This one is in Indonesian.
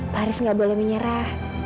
pak haris gak boleh menyerah